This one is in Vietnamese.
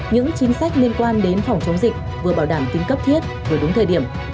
những chính sách liên quan đến phòng chống dịch vừa bảo đảm tính cấp thiết vừa đúng thời điểm